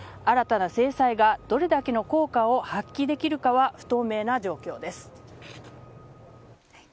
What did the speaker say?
新たな制裁がどれだけの効果を発揮できるかは不透明な状況です。